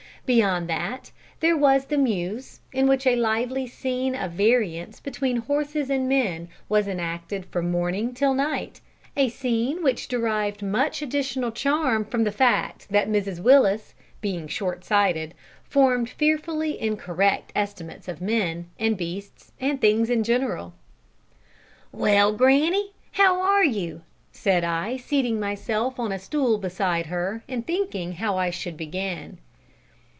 Beyond that there was the mews, in which a lively scene of variance between horses and men was enacted from morning till night a scene which derived much additional charm from the fact that Mrs Willis, being short sighted, formed fearfully incorrect estimates of men, and beasts, and things in general. "Well, granny, how are you?" said I, seating myself on a stool beside her, and thinking how I should begin.